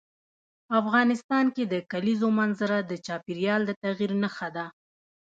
افغانستان کې د کلیزو منظره د چاپېریال د تغیر نښه ده.